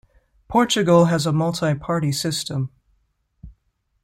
Portugal has a multi-party system.